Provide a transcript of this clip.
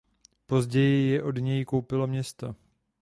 Později je od něj koupilo město.